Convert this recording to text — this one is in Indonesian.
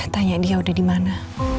tanya dia udah dimana